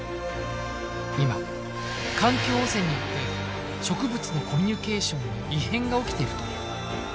今環境汚染によって植物のコミュニケーションに異変が起きてるという。